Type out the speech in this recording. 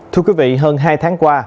thưa quý vị hơn hai tháng qua